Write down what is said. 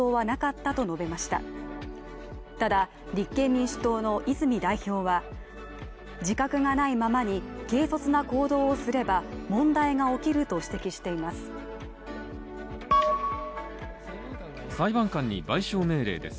ただ、立憲民主党の泉代表は自覚がないままに軽率な行動をすれば問題が起きると指摘しています。